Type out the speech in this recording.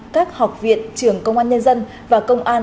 các học viện trường công an nhân dân và công an